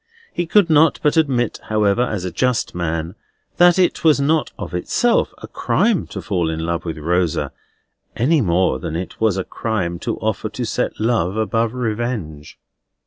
He could not but admit, however, as a just man, that it was not, of itself, a crime to fall in love with Rosa, any more than it was a crime to offer to set love above revenge.